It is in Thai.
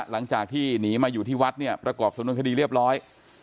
หลังจากที่หนีมาอยู่ที่วัดเนี่ยประกอบสำนวนคดีเรียบร้อย